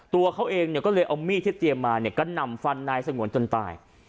ตัวเขาเองก็เลยเอามี่ที่เตรียมมาก็นำฟันนายสงวนจนตาย